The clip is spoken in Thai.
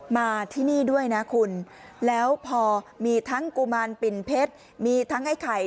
มาที่นี่ด้วยนะคุณแล้วพอมีทั้งกุมารปิ่นเพชรมีทั้งไอ้ไข่